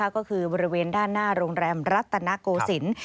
ก็คือบริเวณด้านหน้าโรงแรมรัตนโกศิลป์